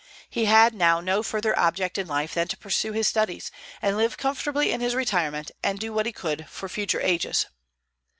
He had now no further object in life than to pursue his studies, and live comfortably in his retirement, and do what he could for future ages.